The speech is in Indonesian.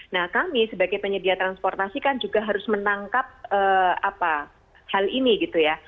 nah kami sebagai penyedia transportasi kan juga harus menangkap hal ini gitu ya